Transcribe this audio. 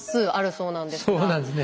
そうなんですね。